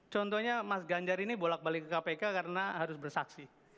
contohnya mas ganjar ini bolak balik ke kpk karena harus bersaksi